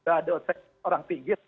ada orang pigir